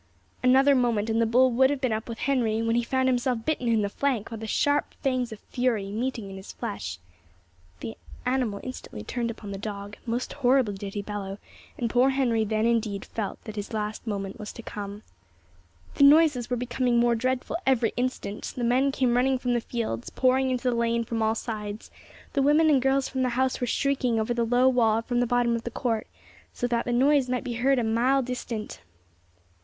Another moment, and the bull would have been up with Henry, when he found himself bitten in the flank by the sharp fangs of Fury meeting in his flesh. The animal instantly turned upon the dog; most horribly did he bellow, and poor Henry then indeed felt that his last moment was come. The noises were becoming more dreadful every instant; the men came running from the fields, pouring into the lane from all sides: the women and girls from the house were shrieking over the low wall from the bottom of the court, so that the noise might be heard a mile distant.